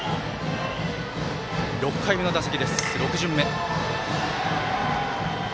６回目の打席です、６巡目。